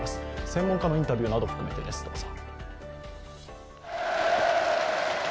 専門家のインタビューなどを含めてです、どうぞ。